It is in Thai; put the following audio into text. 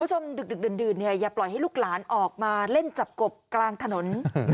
คุณผู้ชมดึกดื่นอย่าปล่อยให้ลูกหลานออกมาเล่นจับกบกลางถนน